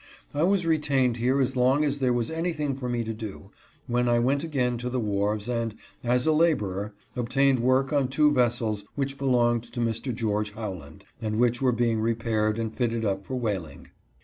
I was retained here as long as there was anything for me to do, when I went again to the wharves and, as a laborer, obtained work on two vessels which be longed to Mr. George Howland, and which were being re paired and fitted up for whaling.